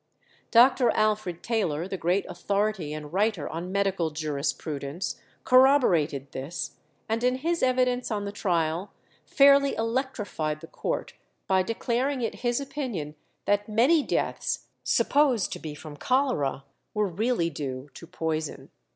Dr. Alfred Taylor, the great authority and writer on medical jurisprudence, corroborated this, and in his evidence on the trial fairly electrified the court by declaring it his opinion that many deaths, supposed to be from cholera, were really due to poison.